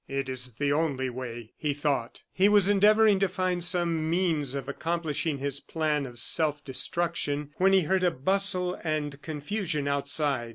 "It is the only way!" he thought. He was endeavoring to find some means of accomplishing his plan of self destruction, when he heard a bustle and confusion outside.